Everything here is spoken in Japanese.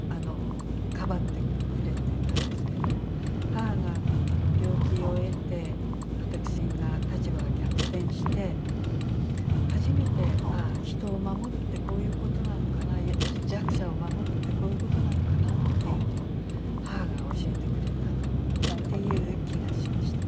母が病気を得て私が立場が逆転して初めてあっ人を守るってこういう事なのかな弱者を守るってこういう事なのかなっていうのを母が教えてくれたっていう気がしました。